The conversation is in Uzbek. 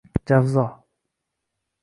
javzo